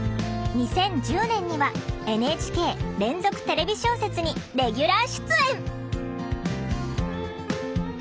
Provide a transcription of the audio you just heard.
２０１０年には「ＮＨＫ連続テレビ小説」にレギュラー出演！